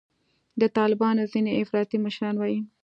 د طالبانو ځیني افراطي مشران وایي